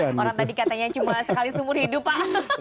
orang tadi katanya cuma sekali seumur hidup pak